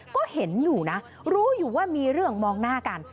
ก็เห็นอยู่นะรู้อยู่ว่ามีเรื่องมองหน้ากัน